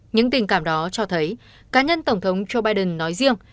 những tình cảm đó cho thấy cá nhân tổng thống joe biden nói riêng